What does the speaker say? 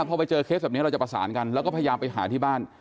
พอไปเจอเคสแบบนี้เราจะประสานกันแล้วก็พยายามไปหาที่บ้าน